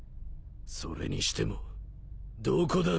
それにしてもどこだ？